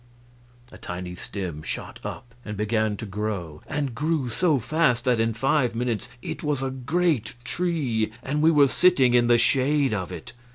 A tiny stem shot up and began to grow, and grew so fast that in five minutes it was a great tree, and we were sitting in the shade of it.